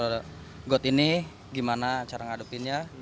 seperti ini gimana cara ngadepinnya